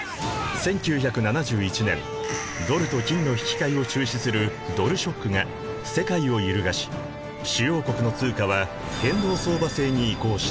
１９７１年ドルと金の引き換えを中止するドル・ショックが世界を揺るがし主要国の通貨は変動相場制に移行した。